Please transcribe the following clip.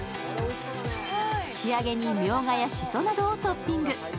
仕上げに、みょうがやしそなどをトッピング。